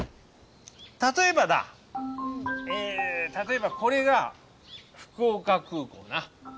例えばだ例えばこれが福岡空港な。